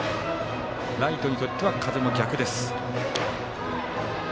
ライトにとっては風も逆です。